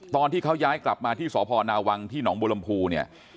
ตอนที่เขาย้ายกลับมาที่สพนาวังที่หนองบุรมภูเนี่ย